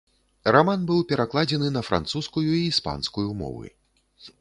Раман быў перакладзены на французскую і іспанскую мовы.